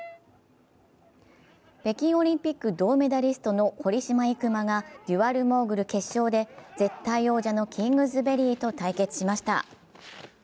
北京オリンピック銅メダリストの堀島行真がデュアルモーグル決勝で絶対王者のキングズベリーと対決しました。